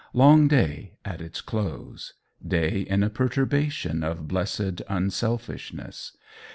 Long Day at its close. Day in a perturbation of blessed unselfishness.